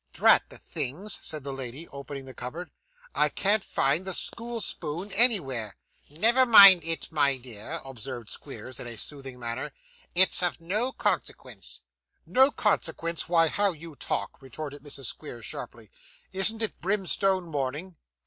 'Drat the things,' said the lady, opening the cupboard; 'I can't find the school spoon anywhere.' 'Never mind it, my dear,' observed Squeers in a soothing manner; 'it's of no consequence.' 'No consequence, why how you talk!' retorted Mrs. Squeers sharply; 'isn't it brimstone morning?